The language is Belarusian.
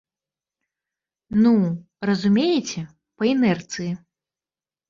Ну, разумееце, па інэрцыі.